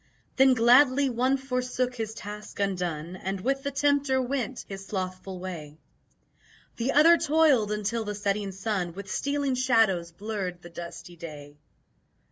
Then gladly one forsook his task undone And with the Tempter went his slothful way, The other toiled until the setting sun With stealing shadows blurred the dusty day.